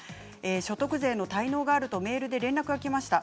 所得税の滞納があるとメールで連絡がきました。